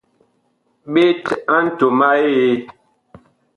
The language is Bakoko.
Ɓet a ntom a Eee.